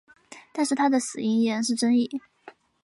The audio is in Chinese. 但是他的死因依然是争议。